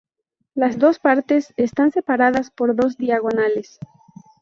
Las dos partes están separadas por dos diagonales.